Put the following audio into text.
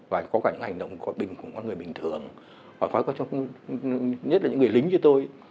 và có cả những hành động của người bình thường nhất là những người lính như tôi